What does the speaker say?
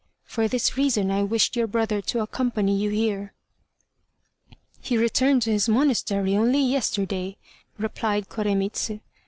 For this reason I wished your brother to accompany you here." "He returned to his monastery only yesterday," replied Koremitz.